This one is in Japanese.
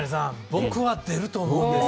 僕は出ると思うんです。